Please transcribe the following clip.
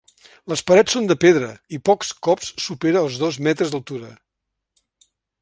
Les parets són de pedra i pocs cops supera els dos metres d'altura.